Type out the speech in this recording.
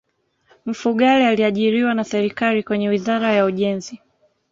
mfugale aliajiriwa na serikali kwenye wizara ya ujenzi